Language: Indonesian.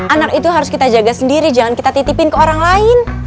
anak itu harus kita jaga sendiri jangan kita titipin ke orang lain